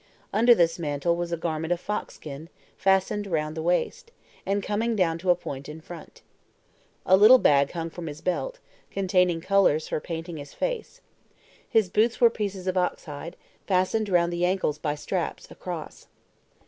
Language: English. Under this mantle was a garment of fox skin, fastened round the waist, and coming down to a point in front. A little bag hung from his belt, containing colors for painting his face. His boots were pieces of ox hide, fastened round the ankles by straps, across.